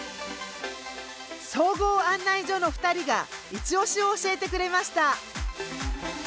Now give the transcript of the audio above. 総合案内所の２人がいちオシを教えてくれました。